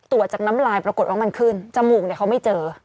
ตรวจจากน้ำลายปรากฏว่ามันขึ้นจมูกเขาไม่เจอ